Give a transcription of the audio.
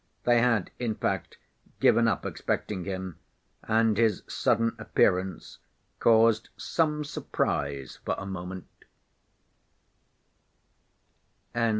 They had, in fact, given up expecting him, and his sudden appearance caused some surprise for a moment.